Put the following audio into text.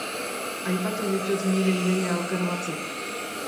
Aipatu ditut nire ideia oker batzuk.